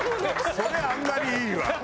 それあんまりいいわ。